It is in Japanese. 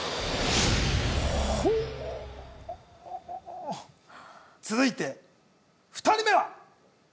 ほうー続いて２人目は？